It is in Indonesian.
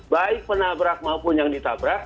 baik penabrak maupun yang ditabrak